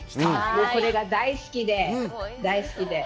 これが大好きで、大好きで。